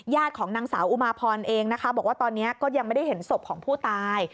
ของนางสาวอุมาพรเองนะคะบอกว่าตอนนี้ก็ยังไม่ได้เห็นศพของผู้ตาย